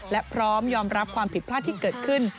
และพร้อมยอมรับความผิดพลาดที่เกิดขึ้น